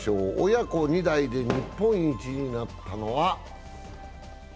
親子２代で日本一になったのは？